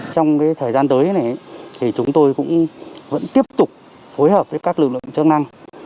trong thời gian tới chúng tôi vẫn tiếp tục phối hợp với các lực lượng chức năng